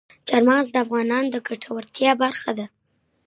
چار مغز د افغانانو د ګټورتیا برخه ده.